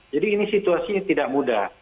jadi ini situasi tidak mudah